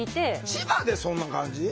千葉でそんな感じ？